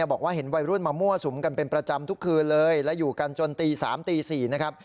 บอกว่าเห็นวัยรุ่นมามั่วสุมกันเป็นประจำทุกคืนเลยและอยู่กันจนตี๓ตี๔นะครับ